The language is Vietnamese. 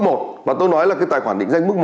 mà tôi nói là cái tài khoản định danh mức một